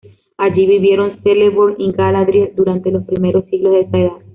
Allí vivieron Celeborn y Galadriel durante los primeros siglos de esa Edad.